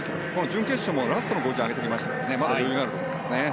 準決勝もラストの５０上げてきましたからまだ余裕があると思いますね。